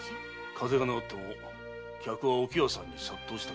風邪が治っても客はお喜和さんに殺到したか。